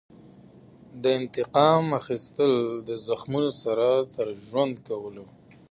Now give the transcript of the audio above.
د انتقام اخیستل د زخمونو سره تر ژوند کولو.